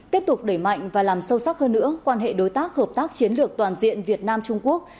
tiếp tục đẩy mạnh và làm sâu sắc hơn nữa quan hệ đối tác hợp tác chiến lược toàn diện việt nam trung quốc